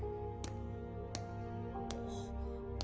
あっ。